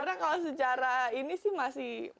karena kalau secara ini sih masih bisa ditahan sih